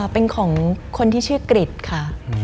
เป็นของคนที่ชื่อกริจค่ะ